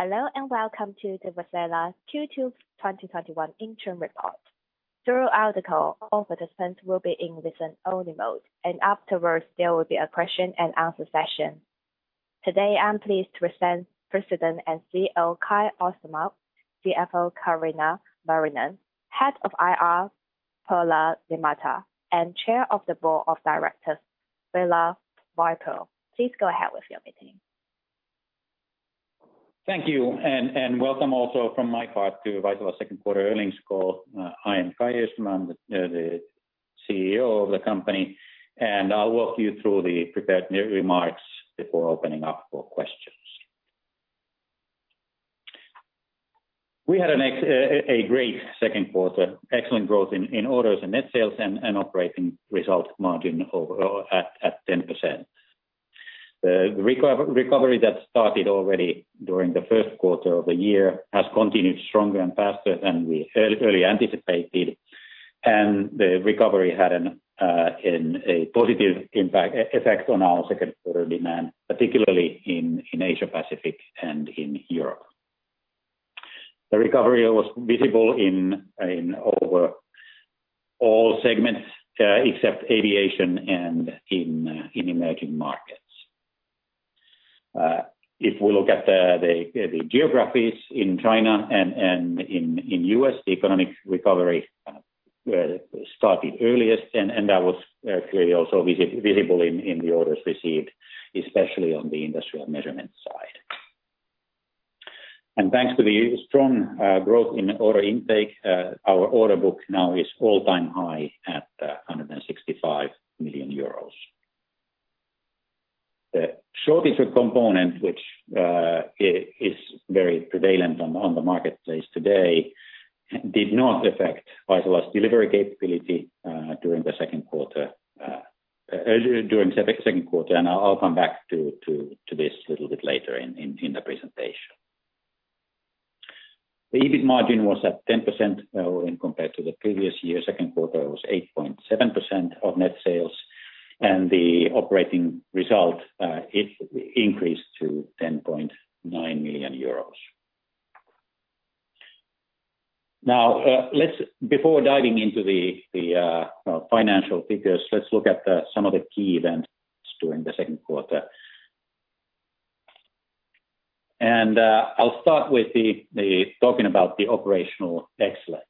Hello, and welcome to the Vaisala Q2 2021 interim report. Throughout the call, all participants will be in listen-only mode, and afterwards, there will be a question and answer session. Today, I'm pleased to present President and CEO, Kai Öistämö, CFO, Kaarina Muurinen, Head of IR, Paula Liimatta, and Chair of the Board of Directors, Ville Voipio. Please go ahead with your meeting. Thank you, welcome also from my part to Vaisala Q2 earnings call. I am Kai Öistämö, the CEO of the company, and I'll walk you through the prepared remarks before opening up for questions. We had a great second quarter, excellent growth in orders and net sales and operating result margin at 10%. The recovery that started already during the Q1 of the year has continued stronger and faster than we earlier anticipated. The recovery had a positive impact effect on our Q2 demand, particularly in Asia Pacific and in Europe. The recovery was visible in overall segments except aviation and in emerging markets. If we look at the geographies in China and in the U.S., the economic recovery started earliest. That was clearly also visible in the orders received, especially on the industrial measurement side. Thanks to the strong growth in order intake, our order book now is all-time high at 165 million euros. The shortage of component, which is very prevalent on the marketplace today, did not affect Vaisala's delivery capability during the second quarter. I'll come back to this a little bit later in the presentation. The EBIT margin was at 10% when compared to the previous year second quarter was 8.7% of net sales. The operating result increased to EUR 10.9 million. Now, before diving into the financial figures, let's look at some of the key events during the second quarter. I'll start with talking about the operational excellence.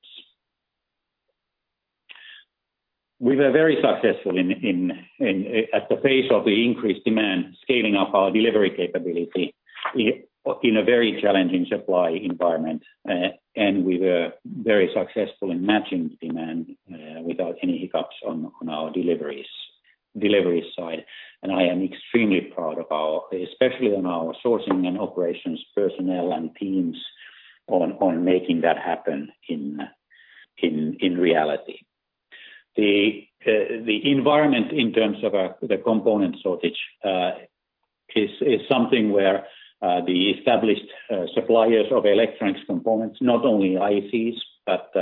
We were very successful at the pace of the increased demand, scaling up our delivery capability in a very challenging supply environment, and we were very successful in matching the demand without any hiccups on our deliveries side. I am extremely proud, especially on our sourcing and operations personnel and teams on making that happen in reality. The environment in terms of the component shortage is something where the established suppliers of electronics components, not only ICs, but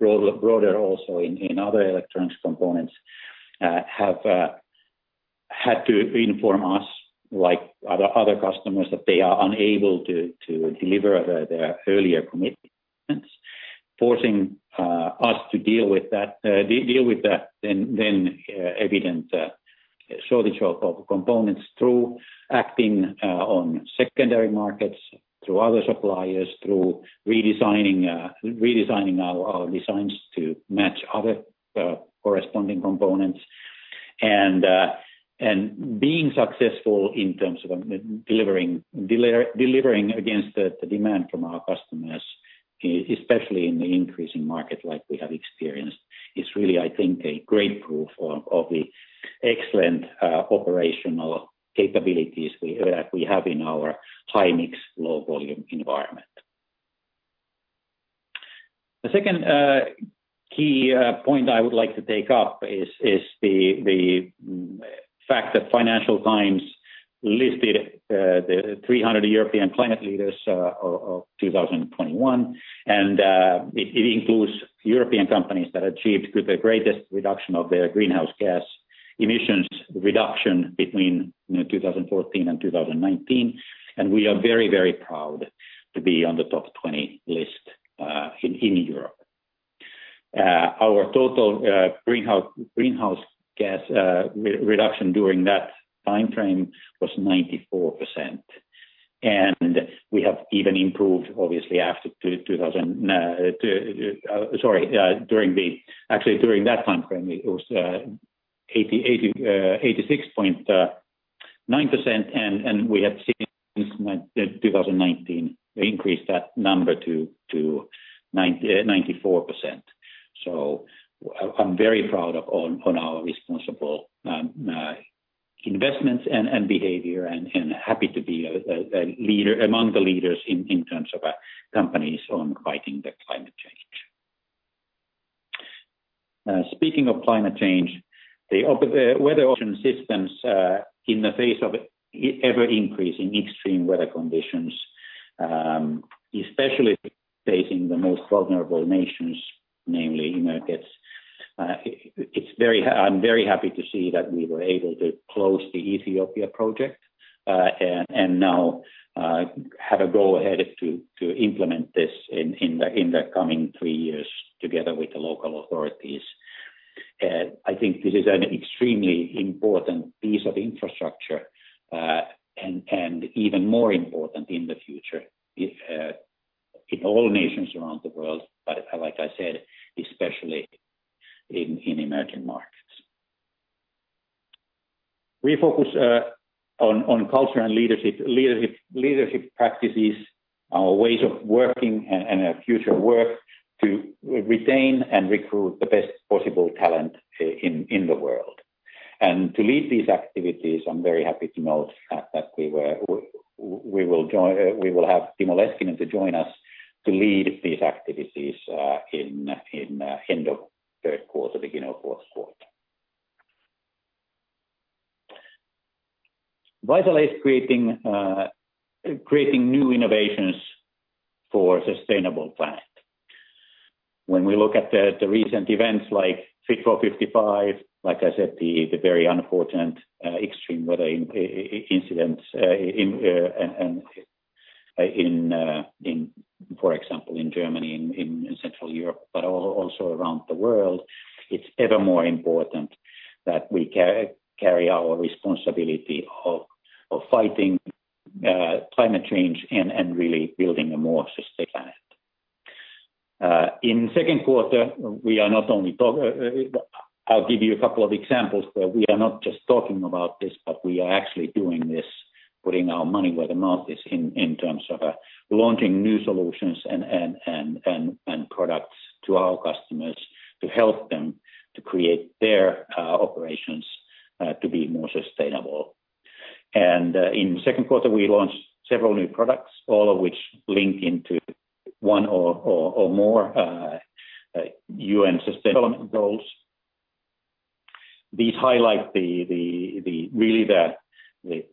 broader also in other electronics components have had to inform us, like other customers, that they are unable to deliver their earlier commitments, forcing us to deal with that then evident shortage of components through acting on secondary markets, through other suppliers, through redesigning our designs to match other corresponding components. Being successful in terms of delivering against the demand from our customers, especially in the increasing market like we have experienced, is really, I think, a great proof of the excellent operational capabilities that we have in our high-mix, low-volume environment. The second key point I would like to take up is the fact that Financial Times listed 300 European climate leaders of 2021. It includes European companies that achieved the greatest reduction of their greenhouse gas emissions reduction between 2014 and 2019. We are very proud to be on the top 20 list in Europe. Our total greenhouse gas reduction during that timeframe was 94%. We have even improved, obviously. Actually, during that timeframe, it was 86.9%. We have seen since 2019, increased that number to 94%. I'm very proud of on our responsible investments and behavior. Happy to be among the leaders in terms of companies on fighting the climate change. Speaking of climate change, the weather origin systems in the face of ever-increasing extreme weather conditions, especially facing the most vulnerable nations, namely emerging markets. I'm very happy to see that we were able to close the Ethiopia project, and now have a go ahead to implement this in the coming three years together with the local authorities. I think this is an extremely important piece of infrastructure, and even more important in the future in all nations around the world, but like I said, especially in emerging markets. We focus on culture and leadership practices, our ways of working, and our future work to retain and recruit the best possible talent in the world. To lead these activities, I'm very happy to note that we will have Timo Leskinen to join us to lead these activities in end of third quarter, beginning of fourth quarter. Vaisala is creating new innovations for sustainable planet. When we look at the recent events like Fit for 55, like I said, the very unfortunate extreme weather incidents, for example, in Germany and in Central Europe, but also around the world, it's ever more important that we carry our responsibility of fighting climate change and really building a more just planet. In second quarter, I'll give you a couple of examples that we are not just talking about this, but we are actually doing this, putting our money where the mouth is in terms of launching new solutions and products to our customers to help them to create their operations to be more sustainable. In second quarter, we launched several new products, all of which link into one or more UN Sustainable Development Goals. These highlight really the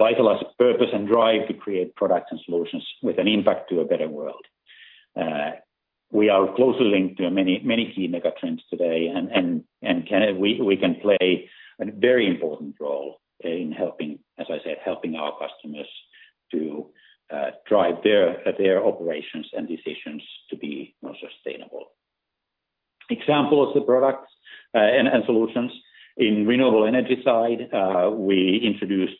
Vaisala's purpose and drive to create products and solutions with an impact to a better world. We are closely linked to many key mega trends today, and we can play a very important role in, as I said, helping our customers to drive their operations and decisions to be more sustainable. Examples of products and solutions. In renewable energy side, we introduced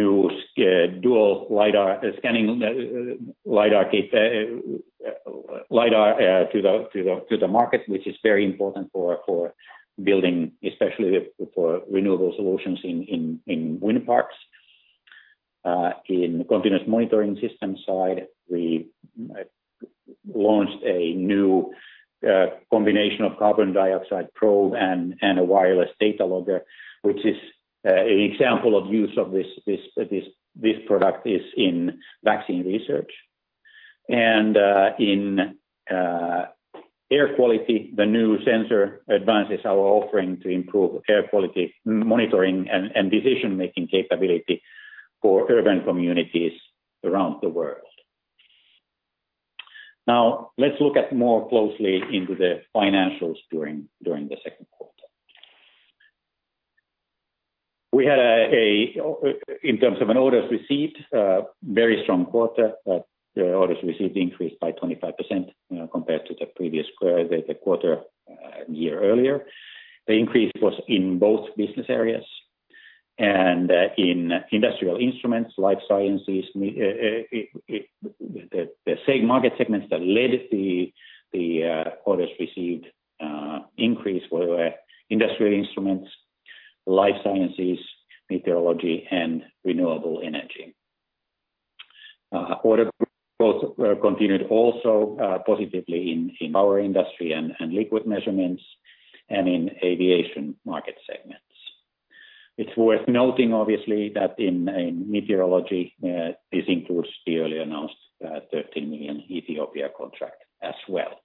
a new dual scanning Lidar to the market, which is very important for building, especially for renewable solutions in wind parks. In continuous monitoring system side, we launched a new combination of carbon dioxide probe and a wireless data logger, which is an example of use of this product is in vaccine research. In air quality, the new sensor advances our offering to improve air quality monitoring and decision-making capability for urban communities around the world. Let's look at more closely into the financials during the second quarter. In terms of an orders received, very strong quarter that the orders received increased by 25% compared to the previous quarter a year earlier. The increase was in both business areas and in Industrial Instruments, Life Sciences. The same market segments that led the orders received increase were Industrial Instruments, Life Sciences, meteorology, and renewable energy. Order book continued also positively in power industry and liquid measurements and in aviation market segments. It's worth noting, obviously, that in meteorology, this includes the earlier announced 13 million Ethiopia contract as well.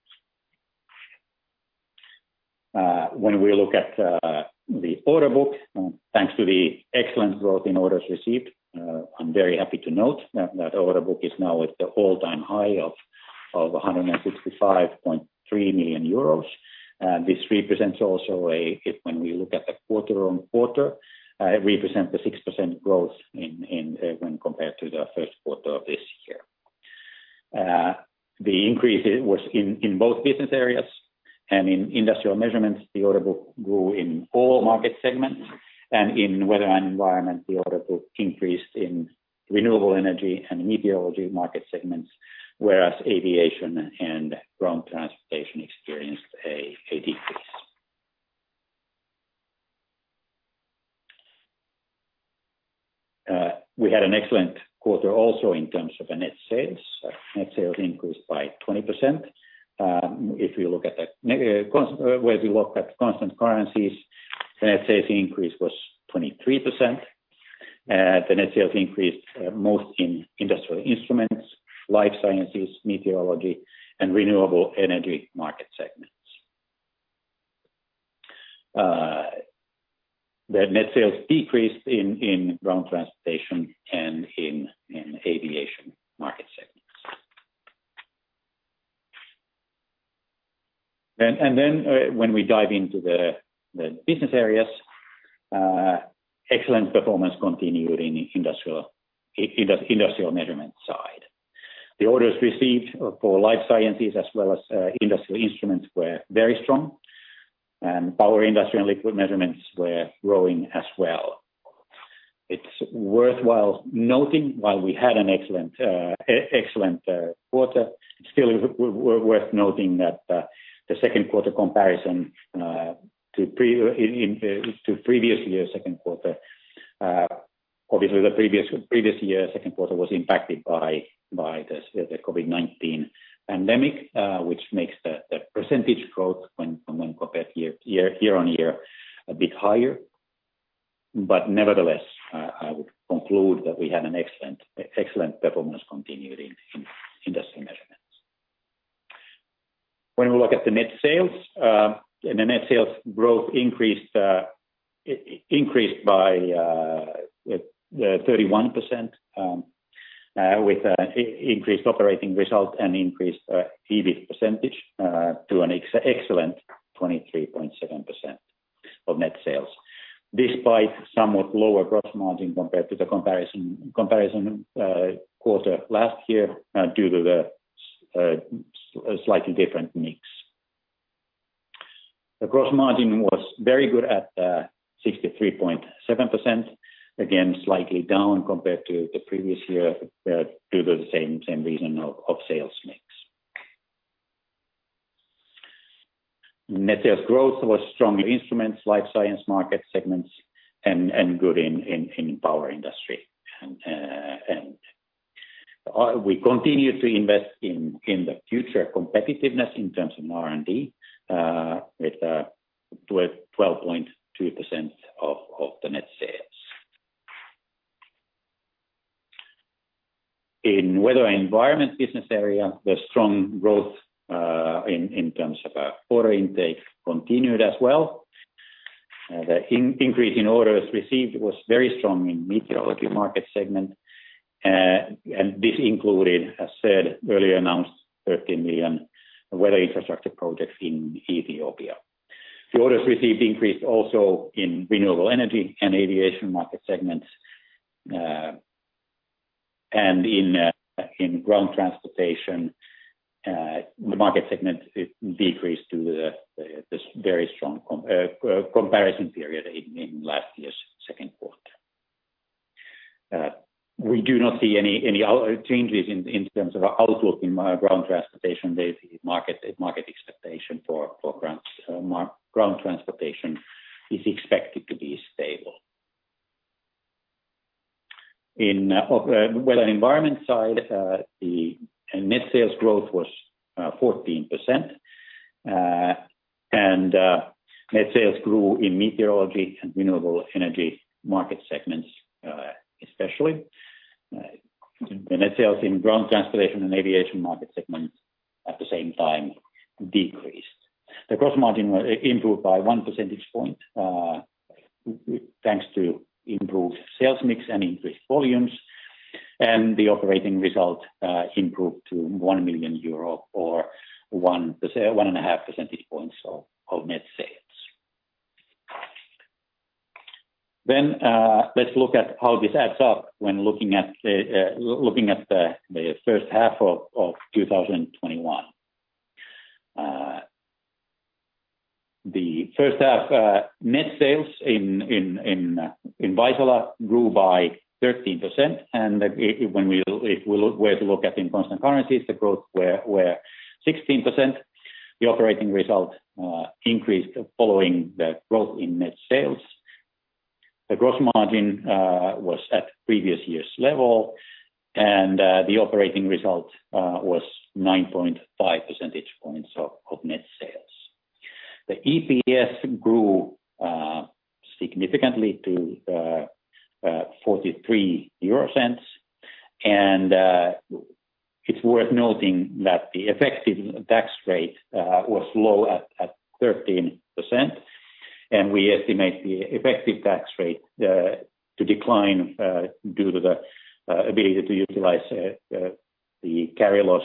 When we look at the order book, thanks to the excellent growth in orders received, I'm very happy to note that order book is now at the all-time high of 165.3 million euros. This represents also a, when we look at the quarter-on-quarter, represent the 6% growth when compared to the first quarter of this year. The increase was in both business areas, and in industrial measurements, the order book grew in all market segments, and in weather and environment, the order book increased in renewable energy and meteorology market segments, whereas aviation and ground transportation experienced a decrease. We had an excellent quarter also in terms of net sales. Net sales increased by 20%. If we look at constant currencies, net sales increase was 23%. The net sales increased most in industrial instruments, life sciences, meteorology, and renewable energy market segments. The net sales decreased in ground transportation and in aviation market segments. When we dive into the business areas, excellent performance continued in industrial measurement side. The orders received for life sciences as well as industrial instruments were very strong, and power industry and liquid measurements were growing as well. While we had an excellent quarter, it's still worth noting that the second quarter comparison to previous year second quarter, obviously the previous year second quarter was impacted by the COVID-19 pandemic, which makes the percent growth when compared year-over-year a bit higher. Nevertheless, I would conclude that we had an excellent performance continued in industry measurements. When we look at the net sales, and the net sales growth increased by 31% with increased operating result and increased EBIT percent to an excellent 23.7% of net sales, despite somewhat lower gross margin compared to the comparison quarter last year due to the slightly different mix. The gross margin was very good at 63.7%, again, slightly down compared to the previous year due to the same reason of sales mix. Net sales growth was strong in instruments, life science market segments, and good in power industry. We continue to invest in the future competitiveness in terms of R&D with 12.2% of the net sales. In weather environment business area, the strong growth in terms of order intake continued as well. The increase in orders received was very strong in meteorology market segment. This included, as said, earlier announced 13 million weather infrastructure project in Ethiopia. The orders received increased also in renewable energy and aviation market segments. In ground transportation, the market segment decreased to the very strong comparison period in last year's second quarter. We do not see any changes in terms of our outlook in ground transportation. The market expectation for ground transportation is expected to be stable. In weather environment side, the net sales growth was 14%, and net sales grew in meteorology and renewable energy market segments especially. The net sales in ground transportation and aviation market segments, at the same time, decreased. The gross margin improved by one percentage point, thanks to improved sales mix and increased volumes, and the operating result improved to 1 million euro or 1.5 percentage points of net sales. Let's look at how this adds up when looking at the first half of 2021. The first half net sales in Vaisala grew by 13%, and if we were to look at in constant currencies, the growth were 16%. The operating result increased following the growth in net sales. The gross margin was at previous year's level, and the operating result was 9.5 percentage points of net sales. The EPS grew significantly to 0.43, and it is worth noting that the effective tax rate was low at 13%, and we estimate the effective tax rate to decline due to the ability to utilize the carry loss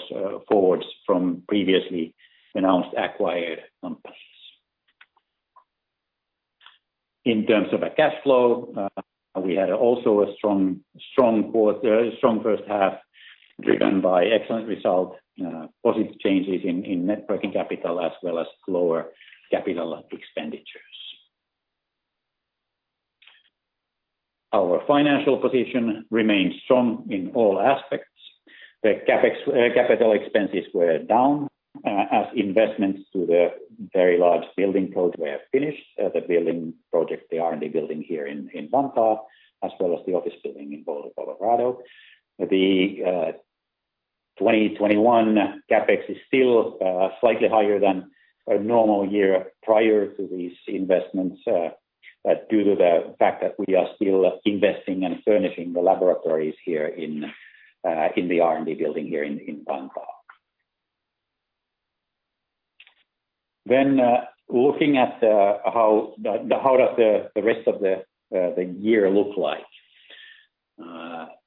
forwards from previously announced acquired companies. In terms of our cash flow, we had also a strong first half driven by excellent result, positive changes in net working capital, as well as lower capital expenditures. Our financial position remains strong in all aspects. The capital expenses were down as investments to the very large building project were finished, the building project, the R&D building here in Vantaa, as well as the office building in Boulder, Colorado. The 2021 CapEx is still slightly higher than a normal year prior to these investments due to the fact that we are still investing and furnishing the laboratories here in the R&D building here in Vantaa. Looking at how does the rest of the year look like.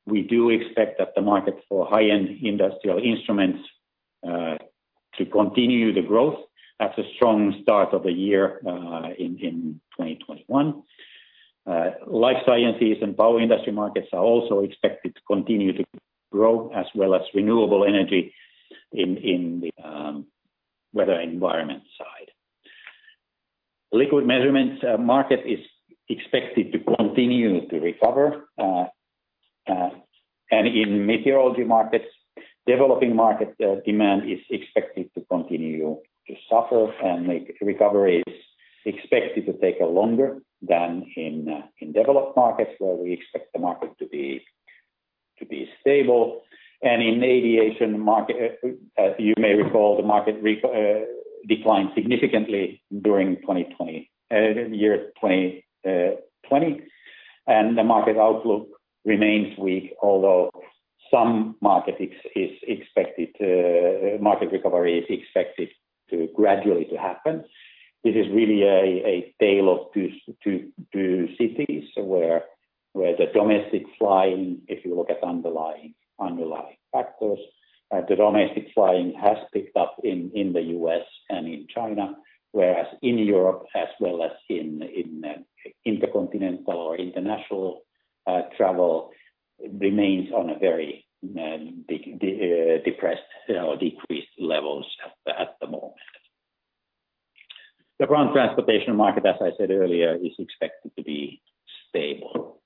We do expect that the market for high-end industrial instruments to continue the growth after strong start of the year in 2021. Life sciences and power industry markets are also expected to continue to grow as well as renewable energy in the weather environment side. Liquid measurements market is expected to continue to recover. In meteorology markets, developing market demand is expected to continue to suffer and recovery is expected to take longer than in developed markets, where we expect the market to be stable. In aviation market, as you may recall, the market declined significantly during the year 2020, and the market outlook remains weak, although some market recovery is expected gradually to happen. This is really a tale of two cities where the domestic flying, if you look at underlying factors, the domestic flying has picked up in the U.S. and in China, whereas in Europe as well as in intercontinental or international travel, remains on a very depressed or decreased levels at the moment. The ground transportation market, as I said earlier, is expected to be stable.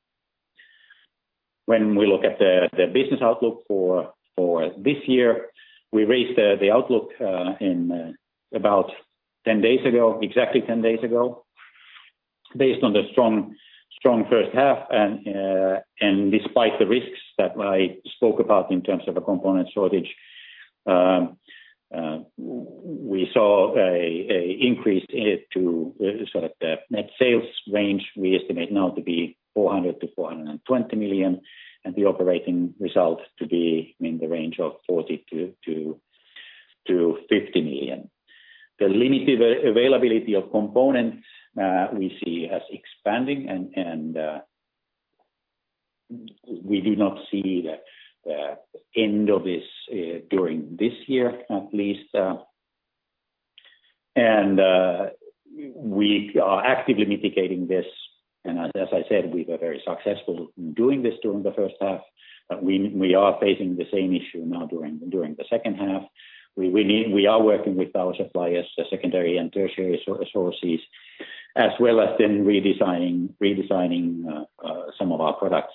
When we look at the business outlook for this year, we raised the outlook exactly 10 days ago, based on the strong first half and despite the risks that I spoke about in terms of a component shortage. We saw a increase to sort of the net sales range we estimate now to be 400 million-420 million, and the operating result to be in the range of 40 million-50 million. The limited availability of components we see as expanding. We do not see the end of this during this year, at least. We are actively mitigating this. As I said, we were very successful in doing this during the first half. We are facing the same issue now during the second half. We are working with our suppliers, secondary and tertiary sources, as well as then redesigning some of our products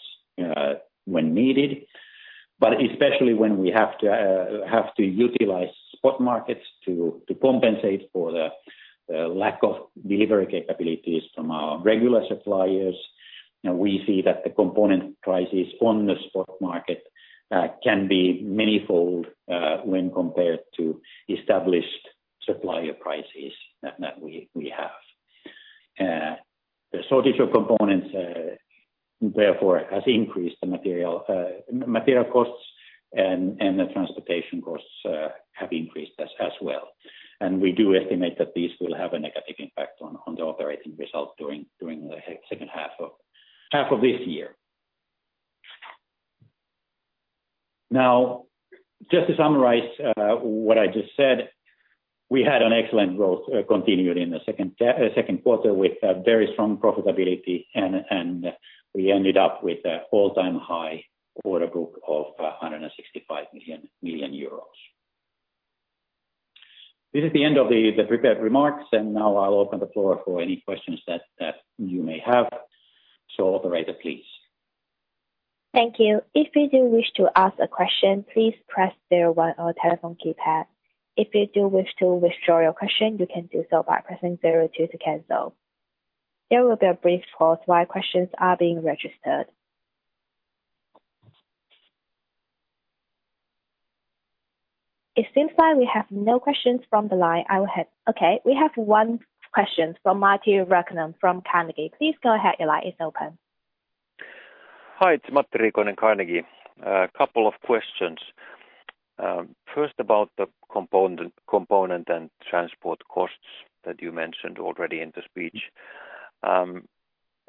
when needed. Especially when we have to utilize spot markets to compensate for the lack of delivery capabilities from our regular suppliers. Now we see that the component prices on the spot market can be manyfold when compared to established supplier prices that we have. The shortage of components, therefore, has increased the material costs and the transportation costs have increased as well. We do estimate that these will have a negative impact on the operating results during the second half of this year. Now, just to summarize what I just said, we had an excellent growth continued in the second quarter with a very strong profitability, and we ended up with an all-time high order book of 165 million euros. This is the end of the prepared remarks, now I'll open the floor for any questions that you may have. Operator, please. Thank you. If you wish to ask a question please press zero one on telephone keyboard. If you wish to withdraw your question you can do so by pressing zero two. It seems like we have no questions from the line. We have one question from Matti Riikonen from Carnegie. Please go ahead. Hi, it's Matti Riikonen, Carnegie. A couple of questions. First about the component and transport costs that you mentioned already in the speech.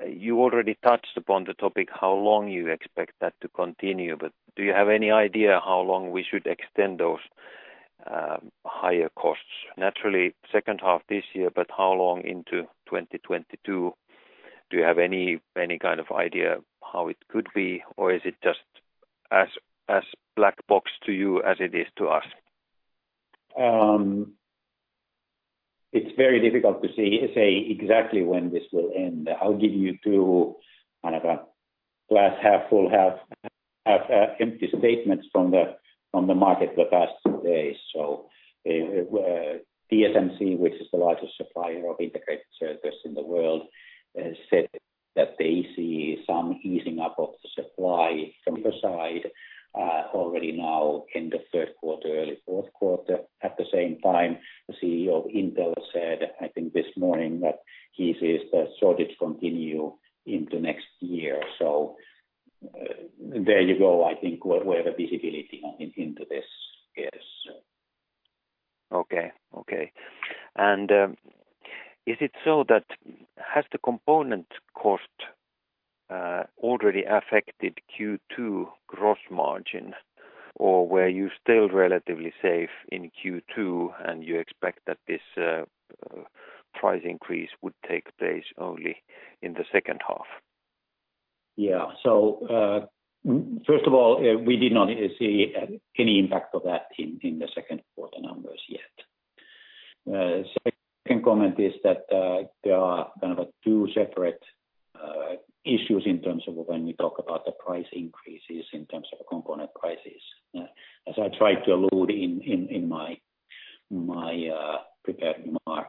You already touched upon the topic, how long you expect that to continue, but do you have any idea how long we should extend those higher costs? Naturally, 2nd half this year, but how long into 2022? Do you have any kind of idea how it could be, or is it just as black box to you as it is to us? It's very difficult to say exactly when this will end. I'll give you two kind of glass half full, half empty statements from the market the past few days. TSMC, which is the largest supplier of integrated circuits in the world, said that they see some easing up of the supply from their side already now in the third quarter, early fourth quarter. At the same time, the CEO of Intel said, I think this morning, that he sees the shortage continue into next year. There you go, I think where the visibility into this is. Okay. Is it so that has the component cost already affected Q2 gross margin, or were you still relatively safe in Q2 and you expect that this price increase would take place only in the second half?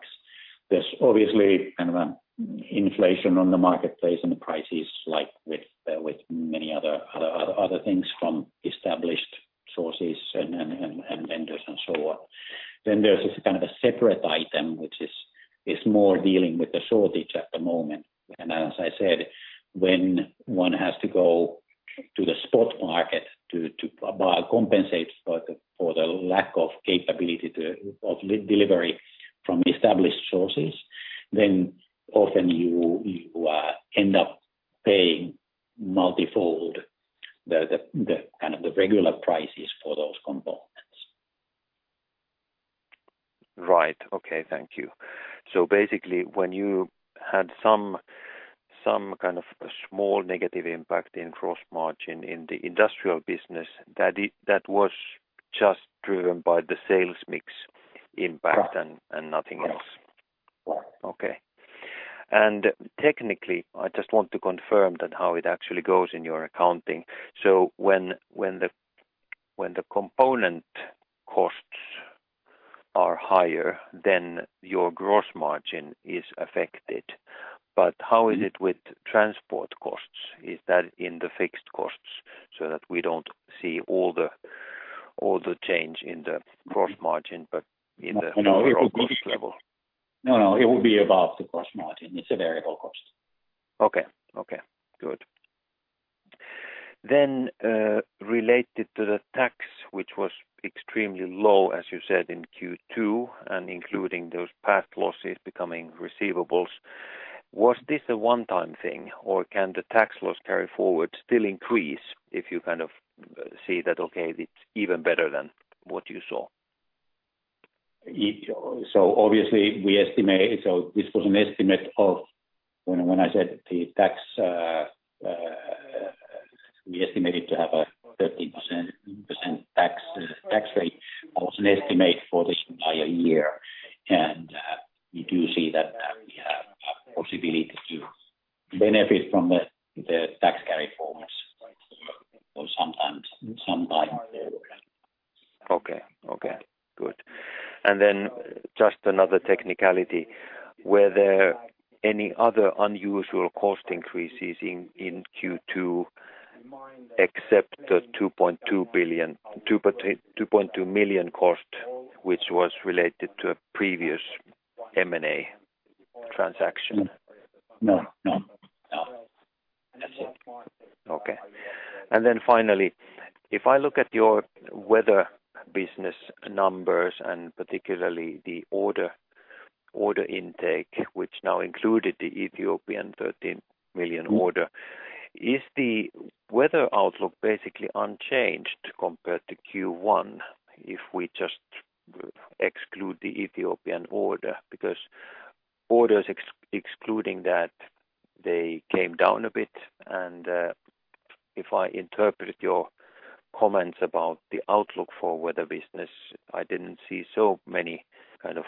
Yeah. First of all, we did not see any impact of that in the second quarter numbers yet. Second comment is that there are kind of two separate issues in terms of when we talk about the price increases in terms of component prices. As I tried to allude in my prepared remarks, there's obviously an inflation on the marketplace and the prices like with many other things from established sources and vendors and so on. There's this kind of a separate item, which is more dealing with the shortage at the moment. As I said, when one has to go to the spot market to compensate for the lack of capability of delivery from established sources, then often you end up paying multifold the regular prices for those components. Right. Okay. Thank you. Basically, when you had some kind of small negative impact in gross margin in the industrial business, that was just driven by the sales mix impact and nothing else? Yeah. Okay. Technically, I just want to confirm that how it actually goes in your accounting. When the component costs are higher, then your gross margin is affected. How is it with transport costs? Is that in the fixed costs so that we don't see all the change in the gross margin, but in the overall cost level? No, it will be above the gross margin. It's a variable cost. Okay. Good. related to the tax, which was extremely low, as you said, in Q2, and including those past losses becoming receivables, was this a one-time thing, or can the tax loss carry forward still increase if you kind of see that, okay, it's even better than what you saw? Obviously, this was an estimate of when I said the tax we estimated to have a 13% tax rate was an estimate for this entire year. We do see that we have a possibility to benefit from the tax carryforwards for some time forward. Okay. Good. Just another technicality. Were there any other unusual cost increases in Q2 except the 2.2 million cost, which was related to a previous M&A transaction? No. That's it. Okay. Finally, if I look at your weather business numbers, and particularly the order intake, which now included the Ethiopian 13 million order, is the weather outlook basically unchanged compared to Q1 if we just exclude the Ethiopian order? Orders excluding that, they came down a bit, and if I interpret your comments about the outlook for weather business, I didn't see so many kind of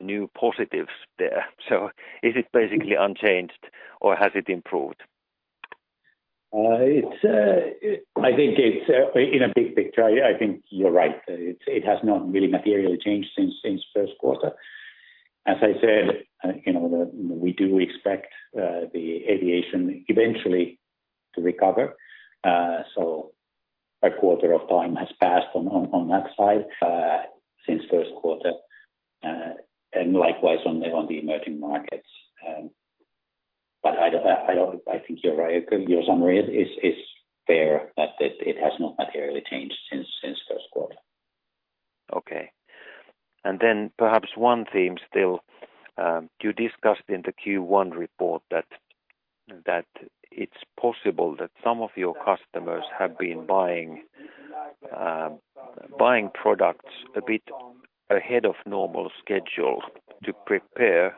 new positives there. Is it basically unchanged or has it improved? In a big picture, I think you're right. It has not really materially changed since first quarter. As I said, we do expect the aviation eventually to recover. A quarter of time has passed on that side since first quarter, and likewise on the emerging markets. I think you're right, your summary is fair that it has not materially changed since first quarter. Okay. Perhaps one theme still, you discussed in the Q1 report that it's possible that some of your customers have been buying products a bit ahead of normal schedule to prepare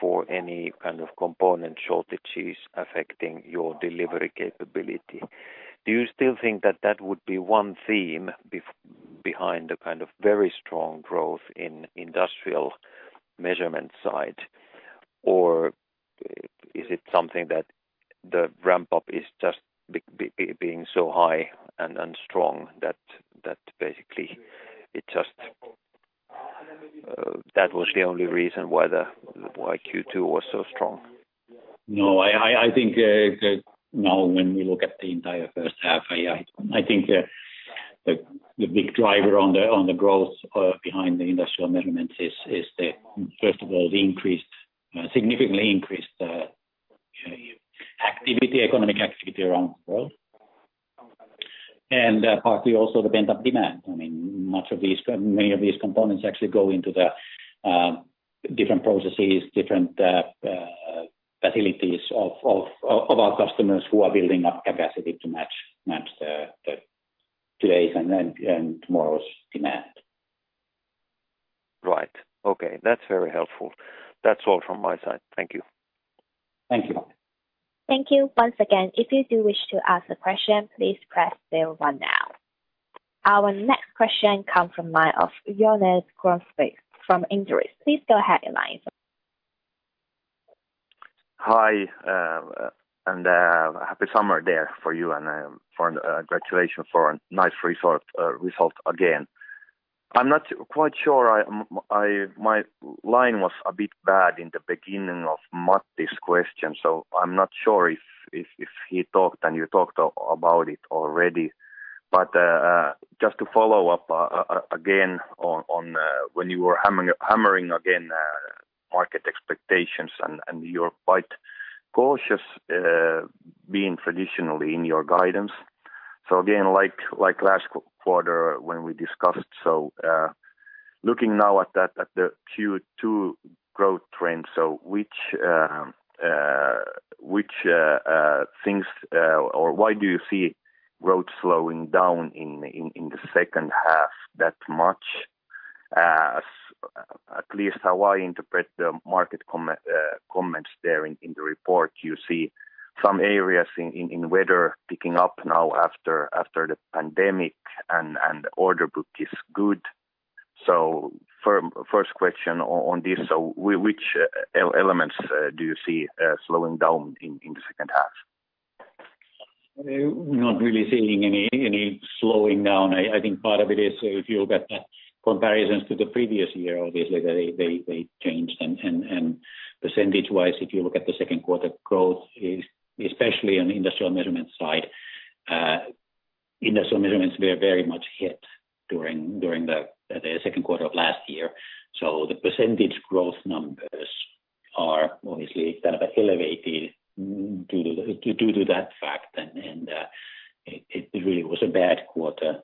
for any kind of component shortages affecting your delivery capability. Do you still think that that would be one theme behind the kind of very strong growth in industrial measurement side, or is it something that the ramp-up is just being so high and strong that basically that was the only reason why Q2 was so strong? I think now when we look at the entire first half, I think the big driver on the growth behind the industrial measurements is first of all, the significantly increased economic activity around the world, and partly also the pent-up demand. Many of these components actually go into the different processes, different facilities of our customers who are building up capacity to match today's and tomorrow's demand. Right. Okay, that's very helpful. That's all from my side. Thank you. Thank you. Thank you. Once again, if you do wish to ask a question, please press star one now. Our next question comes from Joni Grönqvist from Inderes. Please go ahead, line. Hi, happy summer there for you, and congratulations for a nice result again. I'm not quite sure, my line was a bit bad in the beginning of Matti's question, so I'm not sure if he talked and you talked about it already. Just to follow up again on when you were hammering again market expectations and you're quite cautious being traditionally in your guidance. Again, like last quarter when we discussed. Looking now at the Q2 growth trend, so why do you see growth slowing down in the second half that much? At least how I interpret the market comments there in the report, you see some areas in weather picking up now after the pandemic and the order book is good. First question on this, so which elements do you see slowing down in the second half? Not really seeing any slowing down. I think part of it is if you look at the comparisons to the previous year, obviously they changed and percentage-wise, if you look at the second quarter growth, especially on the Industrial Measurement side, Industrial Measurements were very much hit during the second quarter of last year. The percentage growth numbers are obviously kind of elevated due to that fact, and it really was a bad quarter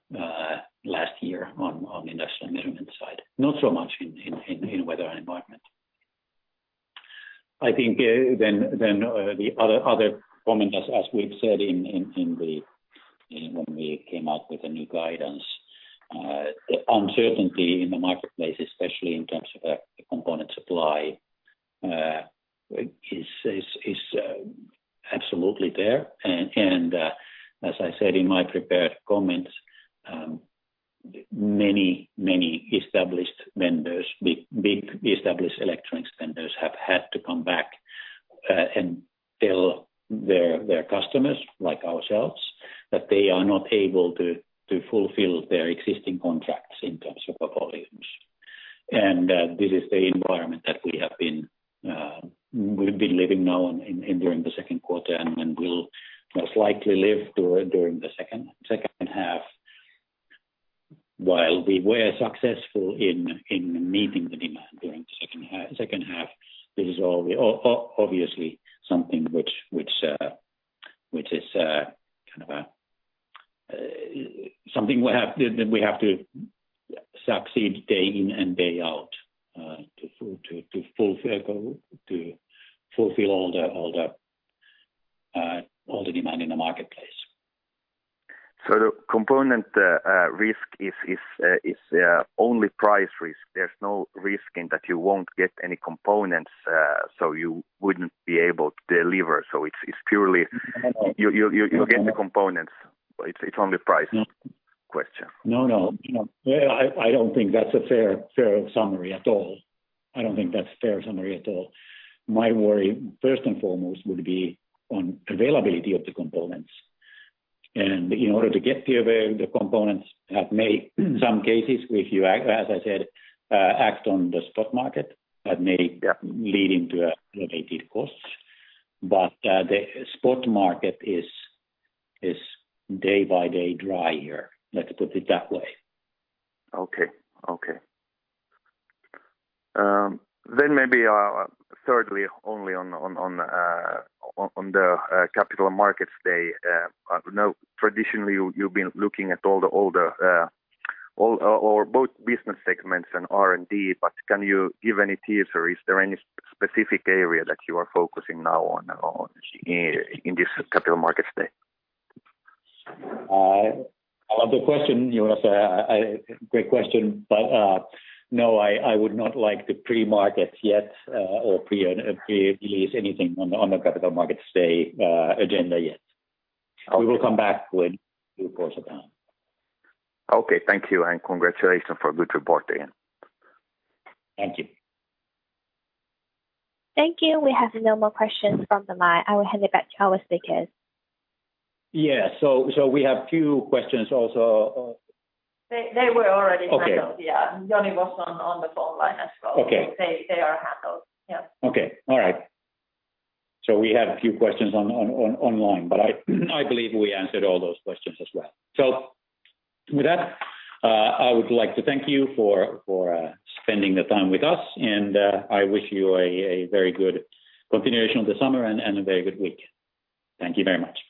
last year on the Industrial Measurement side, not so much in Weather and Environment. I think the other comment, as we've said when we came out with the new guidance, the uncertainty in the marketplace, especially in terms of the component supply is absolutely there. As I said in my prepared comments, many established vendors, big established electronics vendors have had to come back and tell their customers, like ourselves, that they are not able to fulfill their existing contracts in terms of volumes. This is the environment that we've been living now during the second quarter, and will most likely live during the second half. While we were successful in meeting the demand during the second half, this is obviously something which is something that we have to succeed day in and day out to fulfill all the demand in the marketplace. The component risk is only price risk. There's no risk in that you won't get any components, so you wouldn't be able to deliver. It's purely you'll get the components, it's only price question. No. I don't think that's a fair summary at all. My worry, first and foremost, would be on availability of the components. In order to get the available components have made some cases, as I said, act on the spot market that may lead to elevated costs. The spot market is day by day drier, let's put it that way. Okay. Maybe, thirdly, only on the Capital Markets Day. I know traditionally you've been looking at both business segments and R&D, but can you give any teaser? Is there any specific area that you are focusing now on in this Capital Markets Day? I love the question, Joni Grönqvist. Great question. No, I would not like to pre-market yet or pre-release anything on the Capital Markets Day agenda yet. Okay. We will come back in due course of time. Okay, thank you. Congratulations for a good report again. Thank you. Thank you. We have no more questions from the line. I will hand it back to our speakers. Yeah. We have few questions also. They were already handled, yeah. Joni was on the phone line as well. Okay. They are handled. Yeah. Okay. All right. We had a few questions online, I believe we answered all those questions as well. With that, I would like to thank you for spending the time with us, and I wish you a very good continuation of the summer and a very good week. Thank you very much.